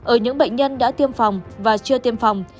ở những bệnh nhân đã tiêm phòng và chưa tiêm phòng